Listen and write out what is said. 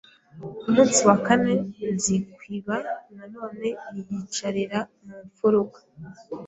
Ku munsi wa kane, Nzikwiba na none yiyicarira mu mfuruka,